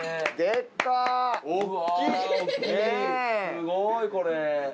すごいこれ！